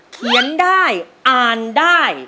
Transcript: เขียนได้อ่านได้